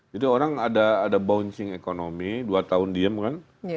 jadi orang ada bouncing ekonomi dua tahun diam kan